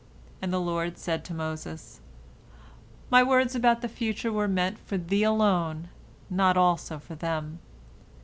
And the Lord said to Moses: "My words about the future were meant for thee alone, not also for them.